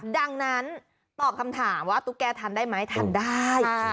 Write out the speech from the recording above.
ดังนั้นตอบคำถามว่าตุ๊กแกทันได้ไหมทันได้